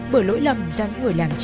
bởi lỗi lầm do những người làm trẻ